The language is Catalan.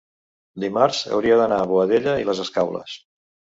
dimarts hauria d'anar a Boadella i les Escaules.